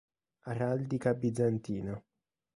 Araldica bizantina